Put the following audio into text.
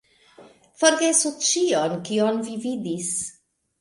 Forgesu ĉion kion vi vidis